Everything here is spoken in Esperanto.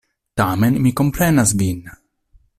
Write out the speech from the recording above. Tamen mi komprenas Vin!